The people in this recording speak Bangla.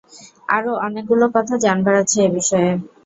আরো অনেকগুলো কথা জানবার আছে এ বিষয়ে।